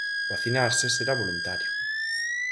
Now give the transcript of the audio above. Vacinarse será voluntario.